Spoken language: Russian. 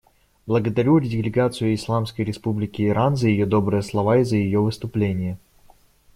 Благодарю делегацию Исламской Республики Иран за ее добрые слова и за ее выступление.